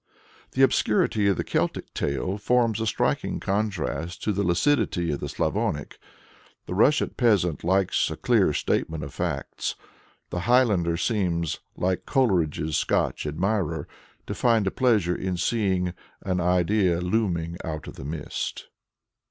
The obscurity of the Celtic tale forms a striking contrast to the lucidity of the Slavonic. The Russian peasant likes a clear statement of facts; the Highlander seems, like Coleridge's Scotch admirer, to find a pleasure in seeing "an idea looming out of the mist."